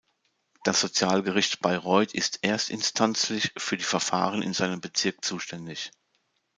Das Sozialgericht Bayreuth ist erstinstanzlich für die Verfahren in seinem Bezirk zuständig.